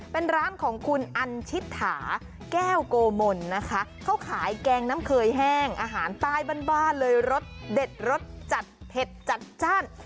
เป็นร้านของคุณอันชิตถาแก้วโกมนนะคะเขาขายแกงน้ำเคยแห้งอาหารใต้บ้านบ้านเลยรสเด็ดรสจัดเผ็ดจัดจ้าน